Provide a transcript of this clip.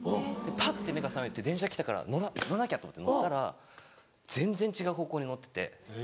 パッて目が覚めて電車来たから乗らなきゃと思って乗ったら全然違う方向に乗ってて。